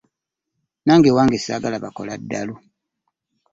Nange ewange saagala bakola ddalu.